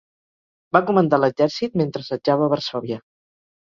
Va comandar l'exèrcit mentre assetjava Varsòvia.